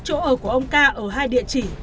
chỗ ở của ông ca ở hai địa chỉ